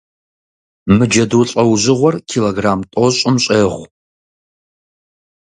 Мы джэду лӏэужьыгъуэр киллограмм тӀощӀым щӀегъу.